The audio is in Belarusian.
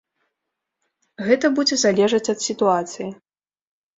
Гэта будзе залежаць ад сітуацыі.